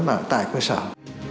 và tài quyền